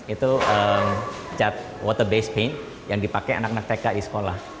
itu cat water base pain yang dipakai anak anak tk di sekolah